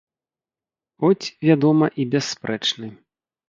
Хоць, вядома, і бясспрэчны.